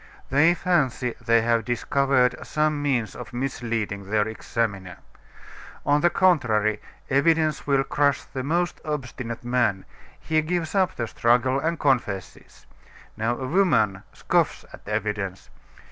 They fancy they have discovered some means of misleading their examiner. On the contrary, evidence will crush the most obstinate man; he gives up the struggle, and confesses. Now, a woman scoffs at evidence.